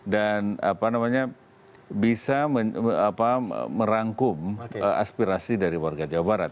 dan bisa merangkum aspirasi dari warga jawa barat